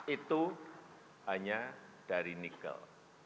itu hanya dari nikel